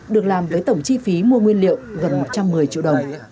được làm với tổng chi phí mua nguyên liệu gần một trăm một mươi triệu đồng